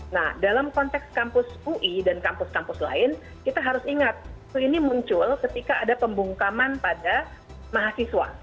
nah dalam konteks kampus ui dan kampus kampus lain kita harus ingat ini muncul ketika ada pembungkaman pada mahasiswa